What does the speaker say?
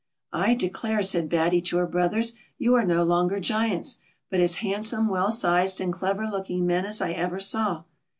"I declare," said Batty to her brothers, "you are no longer Giants, but as handsome, well sized, and clever looking men as I ever saw."